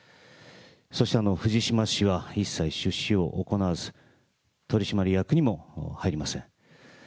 そして藤島氏は一切出資を行わず、取締役にも入りません。